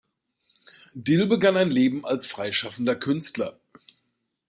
Dill begann ein Leben als freischaffender Künstler.